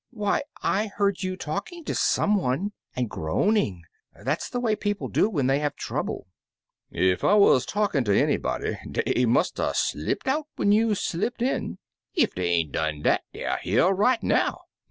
"Why, I heard you talking to some one, and groaning; that's the way people do when they have trouble." "Ef I wuz talkin' ter anybody, dey must *a* slipped out when you slipped in; ef dey ain't done dat deyer in here right now.